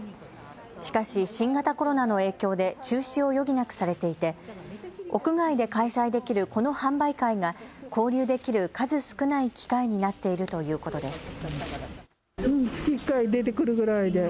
しかし新型コロナの影響で中止を余儀なくされていて屋外で開催できるこの販売会が交流できる数少ない機会になっているということです。